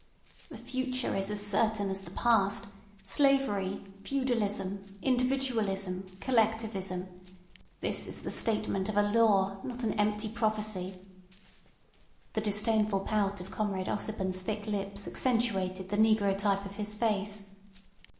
"The future is as certain as the past—slavery, feudalism, individualism, collectivism. This is the statement of a law, not an empty prophecy." The disdainful pout of Comrade Ossipon's thick lips accentuated the negro type of his face.